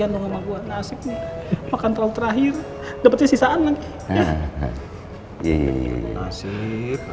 dan ternyata bukannya being li futail